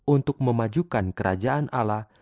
untuk memajukan kerajaan allah